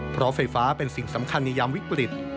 เพราะไฟฟ้าเป็นสิ่งสำคัญในยามวิกฤต